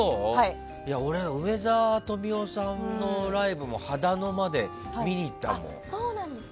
俺は梅沢富美男さんのライブも秦野まで見に行ったから。